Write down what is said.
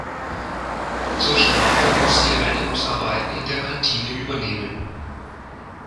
Zur Strafe muss sie Reinigungsarbeiten in der Kantine übernehmen.